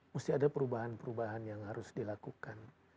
mesti ada perubahan perubahan yang harus dilakukan